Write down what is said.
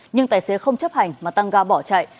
nhưng tài xế không chấp hành mà tăng ga bỏ chạy